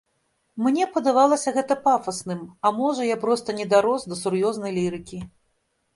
Мне падавалася гэта пафасным, а можа, я проста не дарос да сур'ёзнай лірыкі.